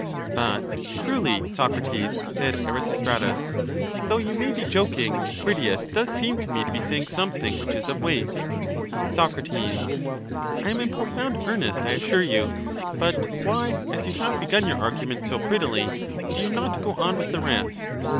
But truly, Socrates, said Erasistratus, though you may be joking, Critias does seem to me to be saying something which is of weight. Soc. I am in profound earnest, I assure you. But why, as you have begun your argument so prettily, do you not go on with the rest?